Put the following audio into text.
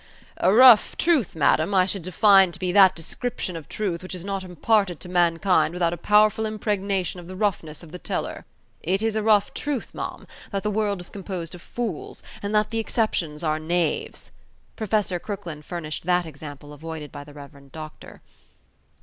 "A rough truth, madam, I should define to be that description of truth which is not imparted to mankind without a powerful impregnation of the roughness of the teller." "It is a rough truth, ma'am, that the world is composed of fools, and that the exceptions are knaves," Professor Crooklyn furnished that example avoided by the Rev. Doctor.